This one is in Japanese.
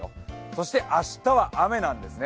そして明日は雨なんですね。